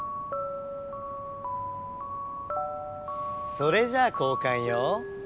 それじゃあ交かんよ。